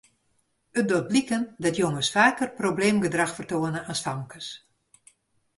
It docht bliken dat jonges faker probleemgedrach fertoane as famkes.